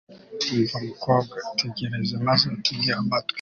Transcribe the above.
umva mukobwa, itegereze maze utege amatwi